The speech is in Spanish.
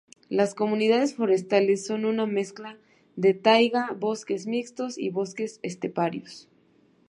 Las comunidades forestales son una mezcla de taiga, bosques mixtos y bosques esteparios.